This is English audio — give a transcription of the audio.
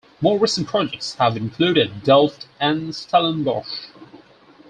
More recent projects have included Delft and Stellenbosch.